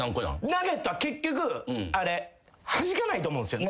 ナゲットは結局はじかないと思うんすよ。